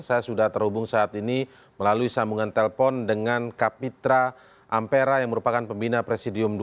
saya sudah terhubung saat ini melalui sambungan telpon dengan kapitra ampera yang merupakan pembina presidium dua